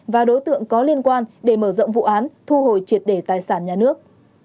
và đối tượng có liên quan để mở rộng vụ án thu hồi triệt để tài sản nhà nước